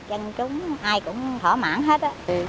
dân chúng ai cũng thỏa mãn hết